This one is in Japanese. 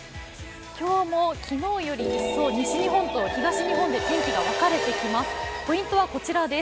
今日も昨日より西日本と東日本で天気が分かれてきます。